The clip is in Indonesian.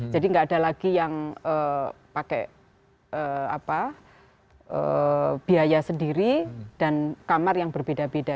jadi gak ada lagi yang pakai apa biaya sendiri dan kamar yang berbeda beda